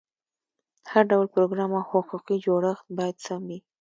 هر ډول پروګرام او حقوقي جوړښت باید سم وي.